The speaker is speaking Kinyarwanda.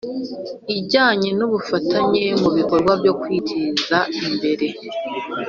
ijyanye n ubufatanye mu bikorwa byo kwiteza imbere